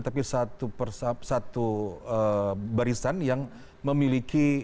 tapi satu barisan yang memiliki